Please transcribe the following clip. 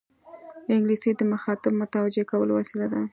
انګلیسي د مخاطب متوجه کولو وسیله ده